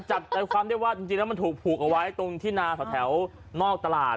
จับใจความได้ว่าจริงแล้วมันถูกผูกเอาไว้ตรงที่นาแถวนอกตลาด